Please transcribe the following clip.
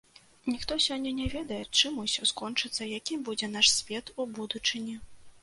Ніхто сёння не ведае, чым усё скончыцца, якім будзе наш свет у будучыні.